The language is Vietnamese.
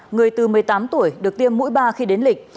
người từ một mươi tám tuổi được tiêm mũi ba khi đến lịch